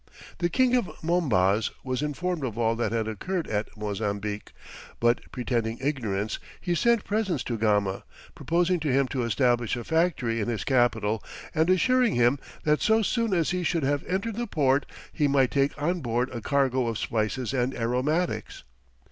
The king of Mombaz was informed of all that had occurred at Mozambique, but pretending ignorance, he sent presents to Gama, proposing to him to establish a factory in his capital, and assuring him that so soon as he should have entered the port, he might take on board a cargo of spices and aromatics.